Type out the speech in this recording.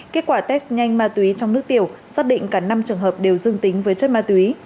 kết quả test nhanh ma túy trong nước tiểu xác định cả năm trường hợp đều dương tính với chất ma túy